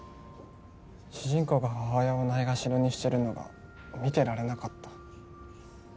主人公が母親をないがしろにしてるのが見てられなかった。